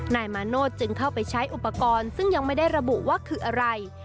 นายมาโนธจึงเข้าไปใช้อุปกรณ์ซึ่งยังไม่ได้ระบุว่าคืออะไร